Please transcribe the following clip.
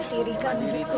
jadi kita hanya seperti itu